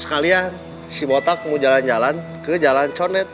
sekalian si botak mau jalan jalan ke jalan condet